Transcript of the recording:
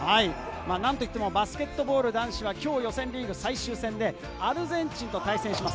なんといってもバスケットボール男子は今日予選リーグ最終戦でアルゼンチンと対戦します。